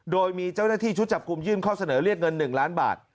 โดยมีเจ้าหน้าที่ชุดจับกลุ่มยื่นข้อเสนอเรียกเงิน๑ล้านบาท